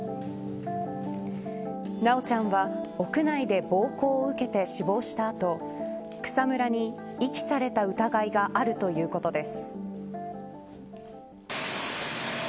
修ちゃんは屋内で暴行を受けて死亡した後草むらに遺棄された疑いがあるということです。